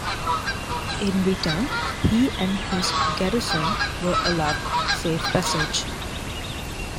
In return, he and his garrison were allowed safe passage.